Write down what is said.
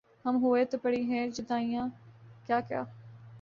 بہم ہوئے تو پڑی ہیں جدائیاں کیا کیا